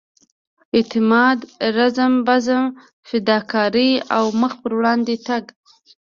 اعتماد رزم بزم فداکارۍ او مخ پر وړاندې تګ.